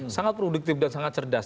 sangat produktif dan sangat cerdas